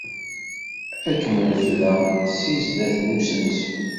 Ad kem-refdeɣ seg sdat n usensu.